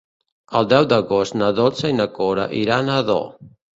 El deu d'agost na Dolça i na Cora iran a Ador.